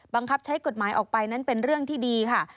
บังคับใช้กฎหมายออกไปนั้นเป็นเรื่องที่ดีค่ะ